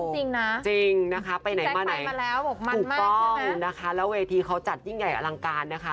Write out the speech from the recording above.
จริงนะจริงนะคะไปไหนมาไหนมาแล้วถูกต้องนะคะแล้วเวทีเขาจัดยิ่งใหญ่อลังการนะคะ